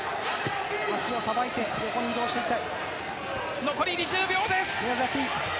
足をさばいて横に移動したい。